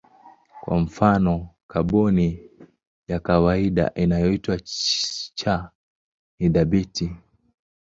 Kwa mfano kaboni ya kawaida inayoitwa C ni thabiti.